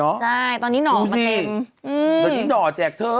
ตอนนี้หนอมาเต็มนะคะดูซิตอนนี้หนอแจ๊กเธอ